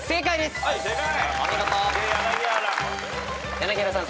柳原さん